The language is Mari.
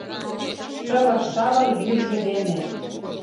Шывыр-шавыр йӱржӧ дене